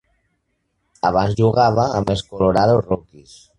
Abans jugava amb els Colorado Rockies.